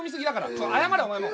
ちょっと謝れお前も。